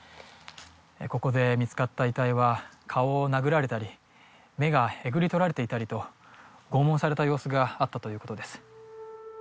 ここで見つかった遺体は顔を殴られたり目がえぐり取られていたりと拷問された様子があったということです